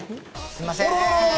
すみません。